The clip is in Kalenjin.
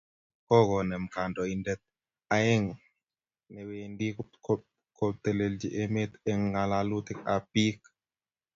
Kaniset kokonem kandoindet aeng ne wendi pko telelchi emet eng ngalalutik ab biik